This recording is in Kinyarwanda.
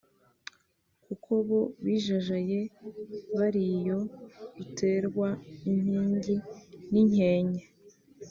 Kuko bo bijajaye bari iyo ruterwa inkingi n’inkenke